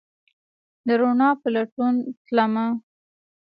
د روڼا په لټون تلمه